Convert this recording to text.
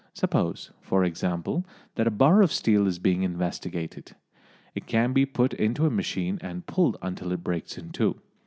Suppose, for example, that a bar of steel is being investigated; it can be put into a machine and pulled until it breaks in two.